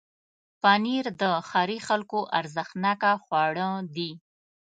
پنېر د ښاري خلکو ارزښتناکه خواړه دي.